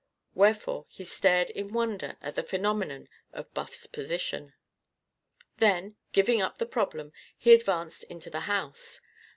Wherefore, he stared in wonder at the phenomenon of Buff's position. Then, giving up the problem, he advanced into the house.